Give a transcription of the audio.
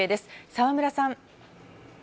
澤村さん。